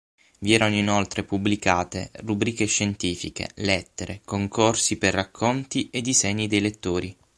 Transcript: Vi erano inoltre pubblicate rubriche scientifiche, lettere, concorsi per racconti e disegni dei lettori.